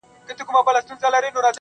لـكــه دی لـــونــــــگ~